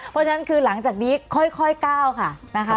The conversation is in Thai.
เพราะฉะนั้นคือหลังจากนี้ค่อยก้าวค่ะนะคะ